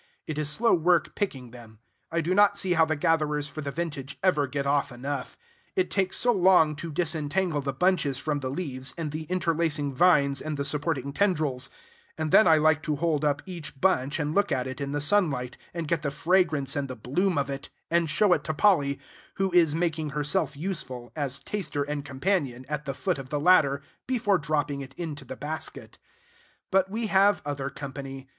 It is slow work picking them. I do not see how the gatherers for the vintage ever get off enough. It takes so long to disentangle the bunches from the leaves and the interlacing vines and the supporting tendrils; and then I like to hold up each bunch and look at it in the sunlight, and get the fragrance and the bloom of it, and show it to Polly, who is making herself useful, as taster and companion, at the foot of the ladder, before dropping it into the basket. But we have other company.